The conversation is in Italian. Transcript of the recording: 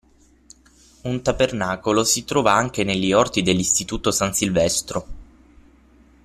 Un tabernacolo si trova anche negli orti dell'Istituto San Silvestro.